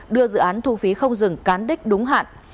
đưa dự án thu phí không dừng cán đích đúng hạn